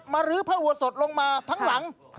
มารื้อพระอุบัติสดลงมาทั้งหลัง